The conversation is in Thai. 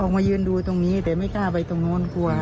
มายืนดูตรงนี้แต่ไม่กล้าไปตรงนู้นกลัว